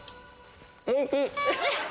おいしい！